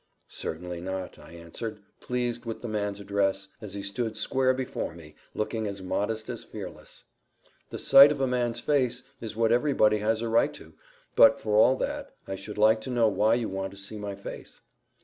"Certainly not," I answered, pleased with the man's address, as he stood square before me, looking as modest as fearless. "The sight of a man's face is what everybody has a right to; but, for all that, I should like to know why you want to see my face."